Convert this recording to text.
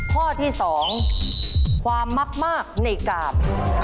ข้อที่๒ความมักมากในกาบ